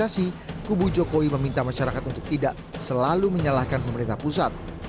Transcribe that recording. dan radikalisasi kubu jokowi meminta masyarakat untuk tidak selalu menyalahkan pemerintah pusat